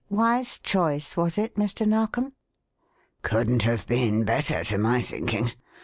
Wise choice, was it, Mr. Narkom?" "Couldn't have been better, to my thinking.